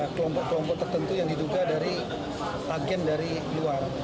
kelompok kelompok tertentu yang diduga dari agen dari luar